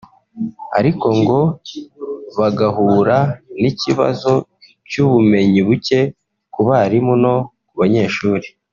ariko ngo bagahura n’ikibazo cy’ubumenyi buke ku barimu no ku banyeshuri